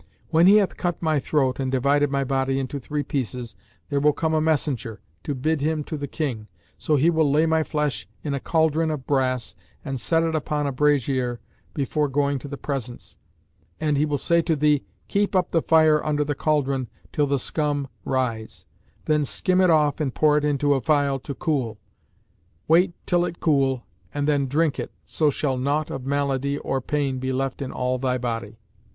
When he hath cut my throat and divided my body into three pieces there will come a messenger, to bid him to the King, so he will lay my flesh in a cauldron of brass and set it upon a brasier before going to the presence and he will say to thee, 'Keep up the fire under the cauldron till the scum rise; then skim it off and pour it into a phial to cool. Wait till it cool and then drink it, so shall naught of malady or pain be left in all thy body.